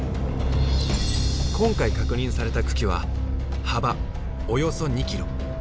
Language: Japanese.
今回確認された群来は幅およそ２キロ。